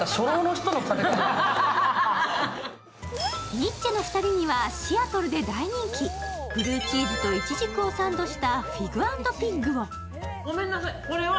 ニッチェの２人にはシアトルで大人気、ブルーチーズといちじくをサンドしたフィグアンドピッグを。